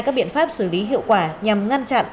các biện pháp xử lý hiệu quả nhằm ngăn chặn